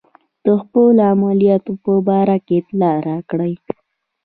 د خپلو عملیاتو په باره کې اطلاع راکړئ.